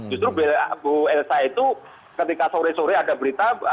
justru bu elsa itu ketika sore sore ada berita